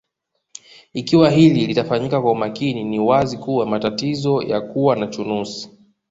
Ikiwa hili litafanyika kwa umakini ni wazi kuwa matatizo ya kuwa na chunusi